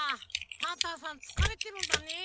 パンタンさんつかれてるんだね。